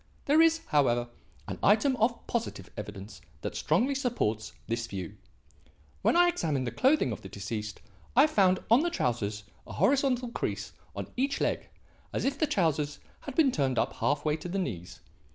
There is, however, an item of positive evidence that strongly supports this view. When I examined the clothing of the deceased, I found on the trousers a horizontal crease on each leg as if the trousers had been turned up half way to the knees.